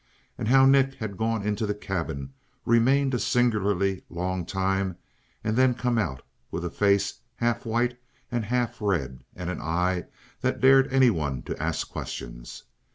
And how Nick had gone into the cabin, remained a singularly long time, and then come out, with a face half white and half red and an eye that dared anyone to ask questions.